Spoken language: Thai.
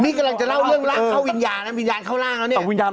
นี่กำลังจะเล่าเรื่องร่างเข้าวิญญาณนะวิญญาณเข้าร่างแล้วเนี่ย